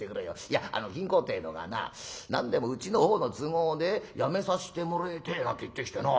いやあの金公ってのがな何でもうちの方の都合で辞めさせてもれえてえなんて言ってきてな。